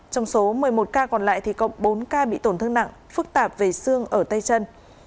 trong số một mươi một ca còn lại thì có bốn ca bị tổn thương nặng phức tạp về xương ở tay chân